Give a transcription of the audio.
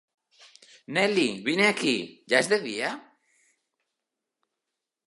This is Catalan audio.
Nelly, vine aquí. Ja és de dia?